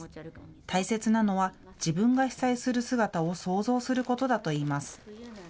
大切なのは自分が被災する姿を想像することだといいます。